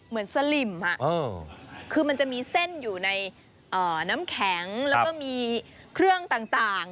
เหมือนสลิมอ่ะคือมันจะมีเส้นอยู่ในน้ำแข็งแล้วก็มีเครื่องต่างต่าง